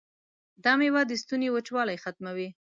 دا میوه د ستوني وچوالی ختموي.